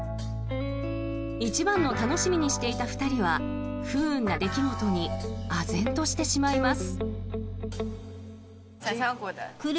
一番の楽しみにしていた２人は不運な出来事にあぜんとしてしまいます。